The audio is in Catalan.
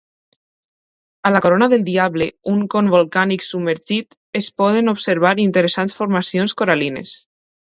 A la Corona del Diable, un con volcànic submergit, es poden observar interessants formacions coral·lines.